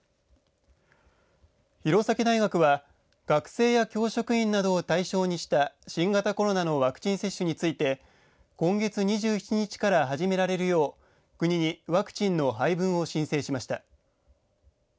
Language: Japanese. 弘前大学は学生や教職員などを対象にした新型コロナのワクチン接種について今月２７日から始められるよう国にワクチンの配分を申請しました。